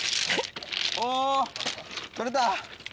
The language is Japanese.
お取れた。